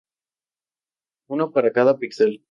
Uno para cada píxel.